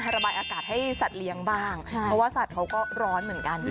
ระบายอากาศให้สัตว์เลี้ยงบ้างเพราะว่าสัตว์เขาก็ร้อนเหมือนกัน